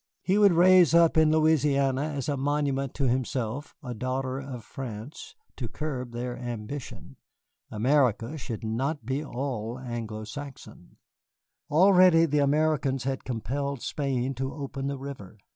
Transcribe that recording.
He would raise up in Louisiana as a monument to himself a daughter of France to curb their ambition. America should not be all Anglo Saxon. Already the Americans had compelled Spain to open the River.